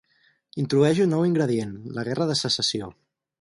Introdueix un nou ingredient: la guerra de Secessió.